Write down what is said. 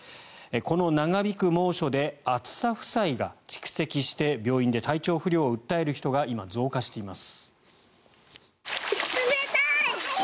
この長引く猛暑で暑さ負債が蓄積して病院で体調不良を訴える人が今、増加しています。